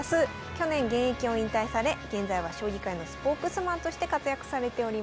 去年現役を引退され現在は将棋界のスポークスマンとして活躍されております。